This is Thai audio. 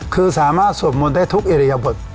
คือสามารถสวดมนต์ได้ทุกอิริยบท